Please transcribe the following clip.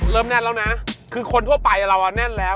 แน่นแล้วนะคือคนทั่วไปเราแน่นแล้ว